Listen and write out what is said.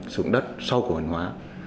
sử dụng đất sau cổ phần hóa